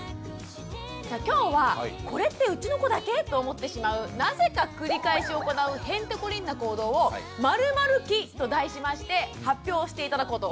今日はこれってうちの子だけ？と思ってしまうなぜか繰り返し行うヘンテコリンな行動を「○○期」と題しまして発表して頂こうと思っております！